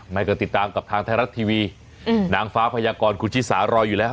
ไม่ก็ติดตามกับทางไทยรัฐทีวีนางฟ้าพยากรคุณชิสารออยู่แล้ว